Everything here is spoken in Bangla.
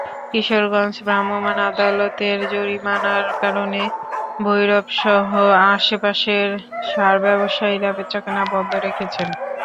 কিশোরগঞ্জে ভ্রাম্যমাণ আদালতের জরিমানার কারণে ভৈরবসহ আশপাশের সার ব্যবসায়ীরা বেচাকেনা বন্ধ রেখেছেন।